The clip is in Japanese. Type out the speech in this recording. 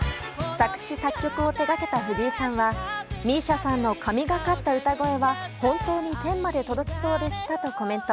作詞・作曲を手掛けた藤井さんはＭＩＳＩＡさんの神がかった歌声は本当に天まで届きそうでしたとコメント。